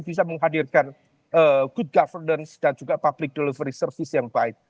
bisa menghadirkan good governance dan juga public delivery service yang baik